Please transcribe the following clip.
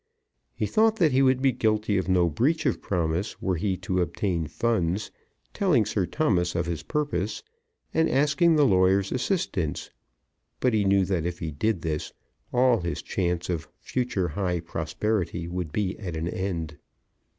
He thought that he would be guilty of no breach of promise were he so to obtain funds, telling Sir Thomas of his purpose, and asking the lawyer's assistance; but he knew that if he did this all his chance of future high prosperity would be at an end.